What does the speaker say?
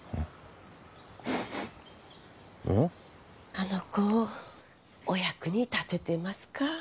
あの子お役に立ててますか？